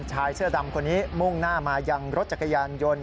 ชายเสื้อดำคนนี้มุ่งหน้ามายังรถจักรยานยนต์